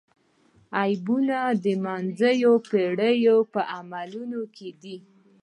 عیبونه د منځنیو پېړیو په عملونو کې دي.